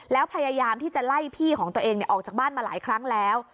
แล้วพยายามที่จะไล่พี่ของตัวเองออกจากบ้านมาหลายครั้งแล้ว